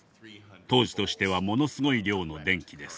当時としてはものすごい量の電気です。